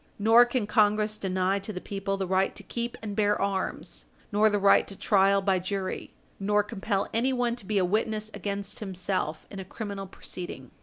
Nor can Congress deny to the people the right to keep and bear arms, nor the right to trial by jury, nor compel anyone to be a witness against himself in a criminal proceeding.